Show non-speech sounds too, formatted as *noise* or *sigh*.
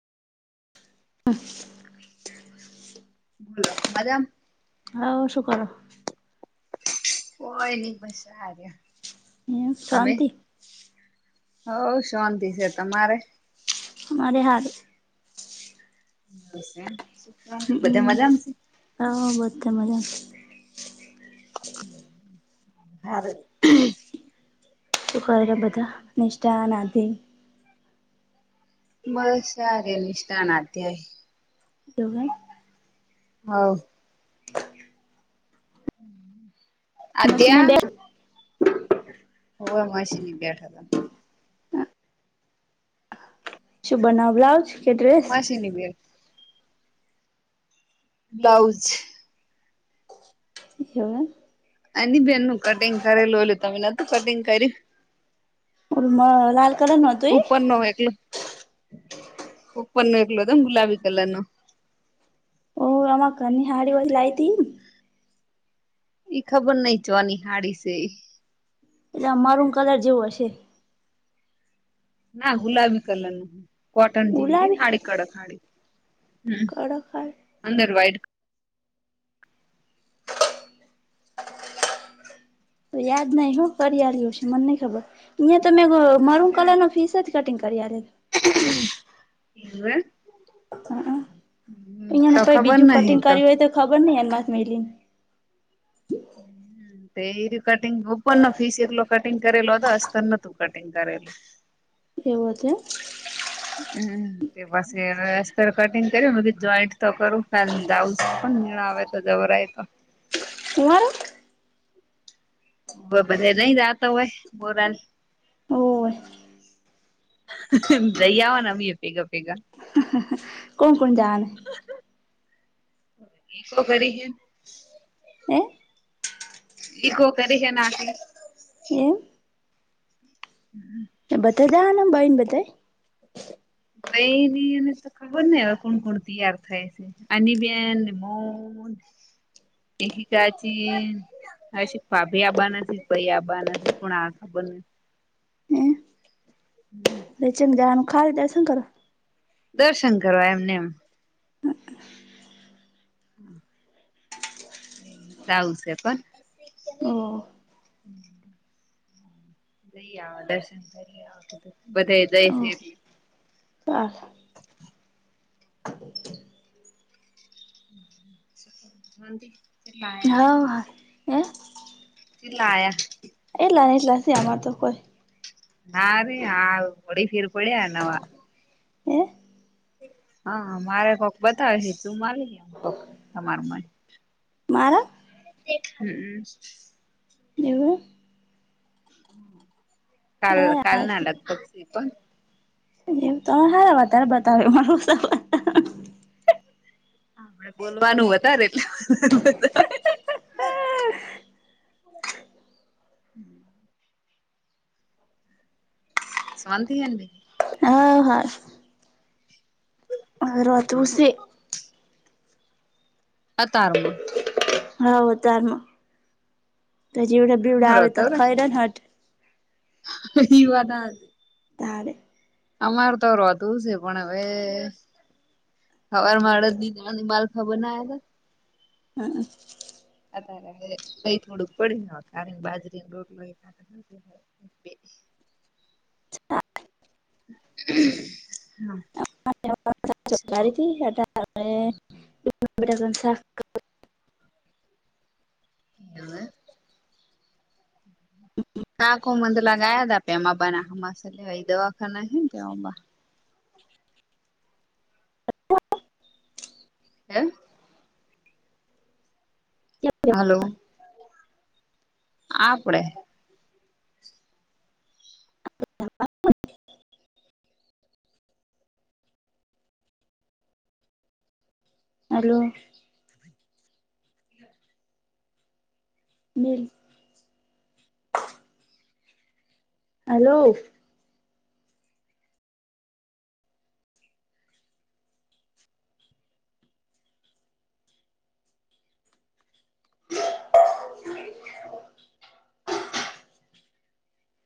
*unintelligible* Hello મજામાં. હા શું કરો. કોઈ નઈ બસ આ રયા એમ તમે. શાંતિ હઉ શાંતિ છે તમારે. મારે હાલ. શાંતિ બધા હમ મજામાં છે. હવ બધા મજામાં. *inaudible* શું કરે બધા નિષ્ઠા ને આદિ. બસ સાર નિષ્ઠા ને અધ્યાય. એવું એમ. હવ. મશીને અધ્યા. બે હવે માસી ને ઈ બેઠા હતા. શું બના બ્લાઉજ. માશિની બે. બ્લાઉઝ. એવું એમ. આની બેનનું કટિંગ કરેલું ઓલું તમે નતું કટિંગ કર્યું. ઓલું મા લાલ. કલર નું હતું એ ઉપર નો એકલો ઉપર નો એકલો હતોમ ગુલાબી કલર નો. તોમાં ઘર ની હાડીઓ લાઈ હતી. ઈ ખબર નહી છ નિ હાડી સે ઈ. એ મરુન કલર જેઉ હશે. ના ગુલાબી કલર નું કોટન હું જેવી હેને લાવી હાડી કડક હાડી. હમ્મ કડક હારી અંદર વાયટ. તો યાદ નહી હો કરી આલિસ છે મને નહી ખબર અહિયા તમે મરુંન કલર નો પીસ જ. કટિંગ કરી આલે. એવું એમ. હ અહિયાં ને તો પઈ ખબર બીજું નહિ કટિંગ કર્યું હોય તો ખબર નઈ એનાથ મેલીન. *unintelligible* તે ઇરિયુ કટિંગ ઉપર નો પીસ એકલો કટિંગ કરેલો હતો અસ્તર ન તું કટિંગ કરેલું. એવું હતું એમ. હમ્મ અ અસ્તર કટિંગ કર્યું મેં કીધું જોઈન્ટ. તો કરું ખાલી બ્લાઉઝ છે પણ મેળ આવે તો જવરાય તો. હું મારા. બધે નહી રાતો હોય બોરાલ. ઓ. જઈ આવાના અમીય ભેગા ભેગા. કોણ કોણ જાવાન હે. ઈ ખબરિ. હે. ઈકો કરી હે ના કે. એમ *inaudible* બતો જાવાન બાઈ ન બધે. બાઈની એને તો ખબર ને હવે કુણ કુણ તિયાર થાય છે. હની બેન, ને મૂ રેખીતાજી ન હસી પાભી આબાના શી પૈયા આબાના શે, કુણ આવ ખબર નઈ. હમ્મ. લેચુન જવાનું ખાલ દર્શન કરવા? દર્શન કરવા એમને એમ. *inaudible* એ તાવશે પણ. ઓહ જઈ આવા, દર્શન કરી આવા કીધું, બધે જાયશ એટલે. કાલ *inaudible* આયા હા હા એ. તેટલા આયા એટલા એટલા સે અમા તો કોઈ. હા રે હા વડી ફીર પડે આના મા. હે હા હા મારે કોક બતાવે ની, તુમ આવેની કોક તમાર મય. મારા હમ્મ. એવું કાલ, કાલના લગભગ સી કોન. તો હારા વધારે બતાવે *unintelligible* મારુ બોલવાનું વધારે એટલે બતાવે. શાંતિ હેન બી. અ હા. મારો આ તુરુસી અતારમાં. હવ અતારમાં, તો જેવડા તમારો બીવડાવે તો ખાઈ રે ને હટ ઈ વાત હાચ તારે. અમાર તો રોધવું સે પણ હવે. હવાર મારાથિ તોણી બાર ખબર ના આયતો હ અ. અતારે હવે, દઈ થોડુંક કરી નાખ, આવીને બાજરીનો રોટલો એક *unintelligible* *inaudible* *inaudible* *inaudible* *unintelligible* છાસ વઘારી તી અતાર હવે *unintelligible* બટાકાન શા *unintelligible* એટલે, કા કુ મંદ લા લાયાટા ભેમાં બાના, હમાસાર લેવા એ દવાખાને હીને ભેમો બા. હે હલો *unintelligible* આપડે હલો બિલ હલો. *inaudible*